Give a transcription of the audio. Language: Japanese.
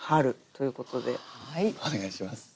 お願いします。